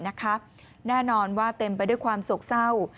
แน่นอนว่าเต็มไปด้วยความโศกเศร้า